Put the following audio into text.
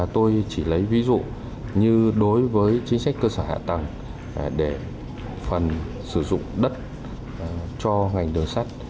tôi chỉ lấy ví dụ như đối với chính sách cơ sở hạ tầng để phần sử dụng đất cho ngành đường sắt